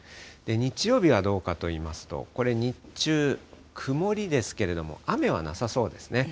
日曜日はどうかといいますと、これ、日中、曇りですけれども、雨はなさそうですね。